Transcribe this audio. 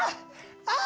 あ！